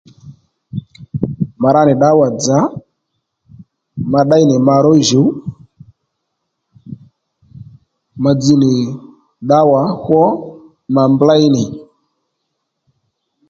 Ma ra nì ddǎwà-dzà ma ddéy nì ma ró jǔw ma dzz nì ddǎwà hwo ma mblé nì